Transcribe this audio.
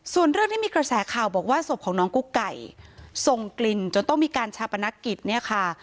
ส่วนเรื่องที่มีกระแสข่าวบอกว่าศพของน้องกุ๊กไก่ส่งกลิ่นจนต้องมีการชาปนกิจเนี่ยค่ะ